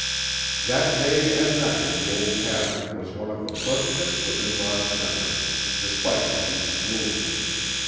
That day and night in the old cabin was one of the pleasantest within Rod's memory, despite the youth's wound.